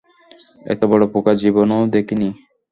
এত বড় পোকা জীবনেও দেখিনি!